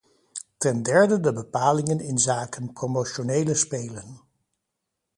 Ten derde de bepalingen inzake promotionele spelen.